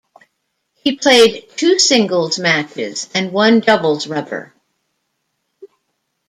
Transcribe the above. He played two singles matches and one doubles rubber.